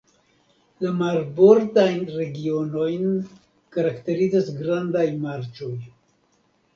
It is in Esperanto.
La marbordajn regionojn karakterizas grandaj marĉoj.